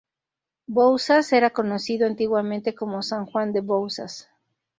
Bouzas era conocido antiguamente como San Juan de Bouzas.